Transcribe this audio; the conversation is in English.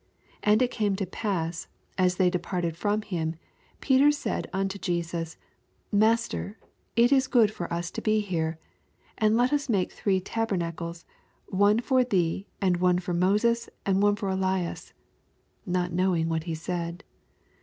88 And it came to pass, as they departed from him, Peter said unto Jesus, Master, it is good for us to be here : and let us male three taberna cles ; one for thee, and one for Moses, and one for Ellas : not knowing what he said.